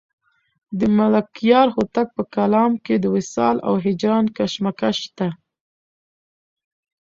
د ملکیار هوتک په کلام کې د وصال او هجران کشمکش شته.